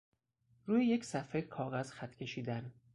روی یک صفحه کاغذ خط کشیدن